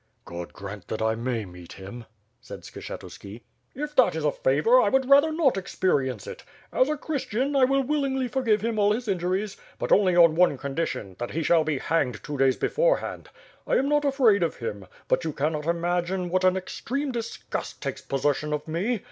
"God grant that I may meet him!" said Skshetuski. "If that is a favor, I would rather not experience it. As a Christian, I will willingly forgive him all injuries; but only on one condition, that he shall he hanged two days before hand. I am not afraid of him, but you cannot imagine what an extreme disgust takes possession of me.